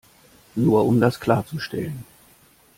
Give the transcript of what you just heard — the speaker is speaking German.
Nur um das klarzustellen.